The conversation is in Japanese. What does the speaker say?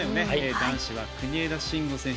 男子は国枝慎吾選手